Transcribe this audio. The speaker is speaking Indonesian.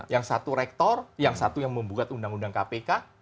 yang satu rektor yang satu yang membuat undang undang kpk